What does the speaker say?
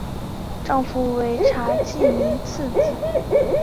丈夫为查济民次子查懋成。